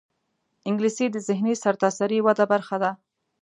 انګلیسي د ذهني سرتاسري وده برخه ده